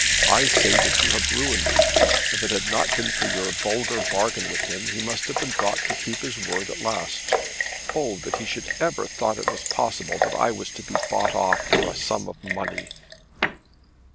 I say that you have ruined me. If it had not been for your vulgar bargain with him, he must have been brought to keep his word at last. Oh, that he should have ever thought it was possible that I was to be bought off for a sum of money!"